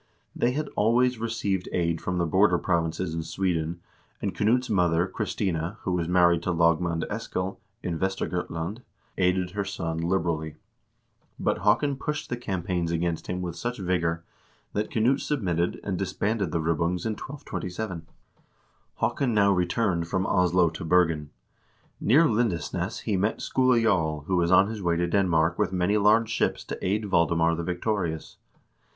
They had always received aid from the border provinces in Sweden, and Knut's mother, Christina, who was married to lagmand Eskil, in Vester gotland, aided her son liberally ; but Haakon pushed the campaigns against him with such vigor that Knut submitted, and disbanded the Ribbungs in 1227. Haakon now returned from Oslo to Bergen. Near Lindesness he met Skule Jarl, who was on his way to Denmark with many large ships to aid Valdemar the Victorious.